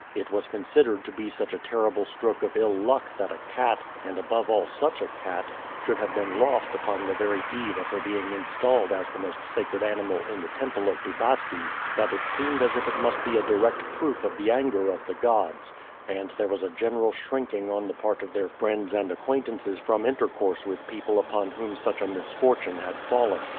It was considered to be such a terrible stroke of ill luck that a cat, and above all such a cat, should have been lost upon the very eve of her being installed as the most sacred animal in the temple of Bubastes, that it seemed as if it must be a direct proof of the anger of the gods, and there was a general shrinking on the part of their friends and acquaintances from intercourse with people upon whom such a misfortune had fallen.